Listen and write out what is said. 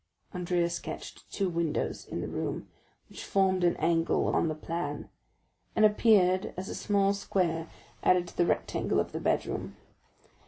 Andrea sketched two windows in the room, which formed an angle on the plan, and appeared as a small square added to the rectangle of the bedroom.